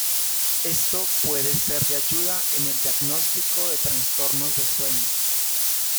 Esto puede ser de ayuda en el diagnóstico de trastornos del sueño.